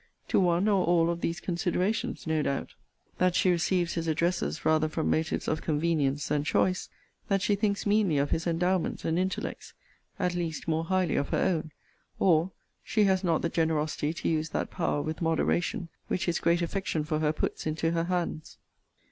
To one or all of these considerations, no doubt: that she receives his addresses rather from motives of convenience than choice: that she thinks meanly of his endowments and intellects; at least more highly of her own: or, she has not the generosity to use that power with moderation, which his great affection for her puts into her hands.'